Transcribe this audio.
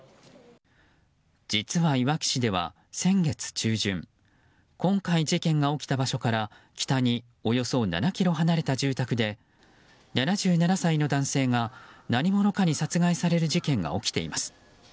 実は、いわき市では先月中旬今回事件が起きた場所から北におよそ７ｋｍ離れた住宅で７７歳の男性が何者かに殺害される事件が起きています。